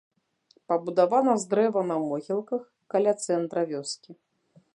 Пабудавана з дрэва на могілках, каля цэнтра вёскі.